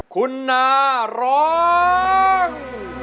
คุณนาร้อง